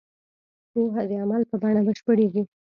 پوهه د عمل په بڼه بشپړېږي.